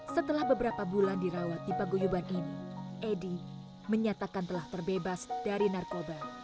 setelah beberapa bulan dirawat di paguyuban ini edy menyatakan telah terbebas dari narkoba